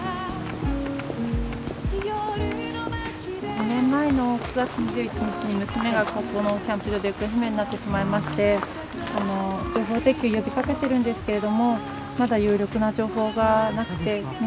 ２年前の９月２１日に娘がここのキャンプ場で行方不明になってしまいまして情報提供呼びかけてるんですけれどもまだ有力な情報がなくて見つからないんです。